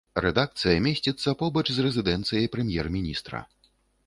Рэдакцыя месціцца побач з рэзідэнцыяй прэм'ер-міністра.